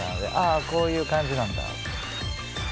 あこういう感じなんだ。